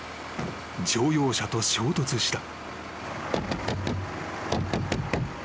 ［乗用車と衝突した］